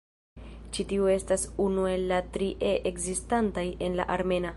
Ĉi tiu estas unu el la tri "e" ekzistantaj en la armena.